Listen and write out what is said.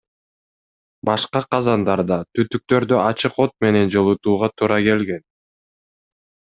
Башка казандарда түтүктөрдү ачык от менен жылытууга туура келген.